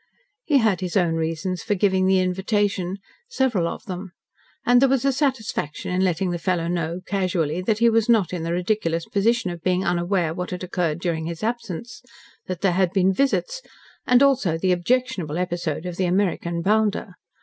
He had his own reasons for giving the invitation several of them. And there was a satisfaction in letting the fellow know, casually, that he was not in the ridiculous position of being unaware of what had occurred during his absence that there had been visits and also the objectionable episode of the American bounder.